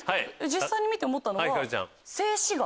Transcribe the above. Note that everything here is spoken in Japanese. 実際に見て思ったのが。